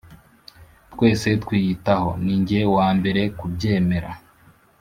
twese twiyitaho. ninjye wambere kubyemera.